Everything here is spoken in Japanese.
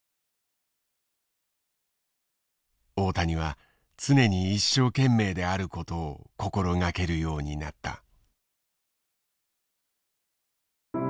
大谷は常に一生懸命であることを心掛けるようになった。